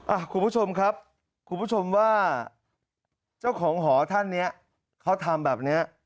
คุณผู้ชมครับคุณผู้ชมว่าเจ้าของหอท่านเนี้ยเขาทำแบบเนี้ย